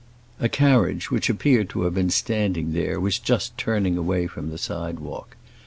A carriage which appeared to have been standing there, was just turning away from the sidewalk.